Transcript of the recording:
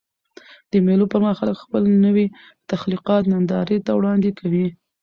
د مېلو پر مهال خلک خپل نوي تخلیقات نندارې ته وړاندي کوي.